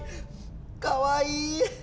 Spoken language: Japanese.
かわいい！